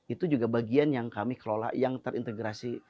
itu juga bagian yang kami kelola yang terintegrasi